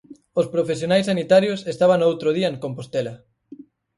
Os profesionais sanitarios estaban o outro día en Compostela.